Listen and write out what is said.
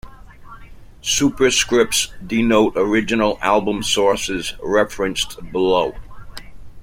Superscripts denote original album sources, referenced below.